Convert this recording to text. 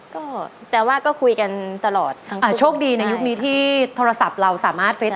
ก็แต่ว่าก็คุยกันตลอดโชคดีในยุคนี้ที่โทรศัพท์เราสามารถเฟส